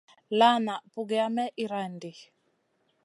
La na pugiya may irandi.